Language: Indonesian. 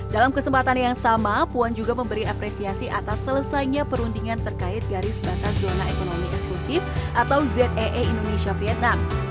dalam kesempatan yang sama puan juga memberi apresiasi atas selesainya perundingan terkait garis batas zona ekonomi eksklusif atau zee indonesia vietnam